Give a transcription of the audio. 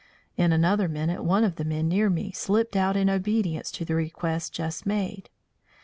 In another minute one of the men near me slipped out in obedience to the request just made.